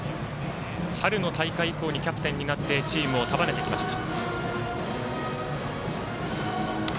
春の大会以降にキャプテンになってチームを束ねてきました。